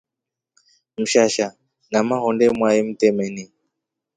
Msasha ngama honde mwai mtemeni.